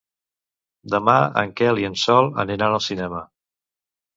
Demà en Quel i en Sol aniran al cinema.